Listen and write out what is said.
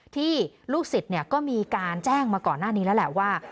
ที่ลูกศิษย์ก็มีการแจ้งมาก่อนหน้านี้แล้วแหละว่า